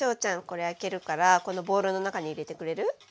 これ開けるからこのボウルの中に入れてくれる？